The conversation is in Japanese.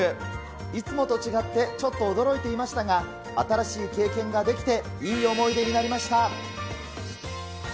いつもと違ってちょっと驚いていましたが、新しい経験ができて、いい思い出になりました。